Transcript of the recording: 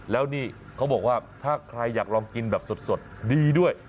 แล้วนี่เขาบอกว่าถ้าใครอยากลองกินแบบสดดีด้วย